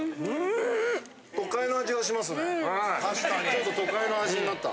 ちょっと都会の味になった。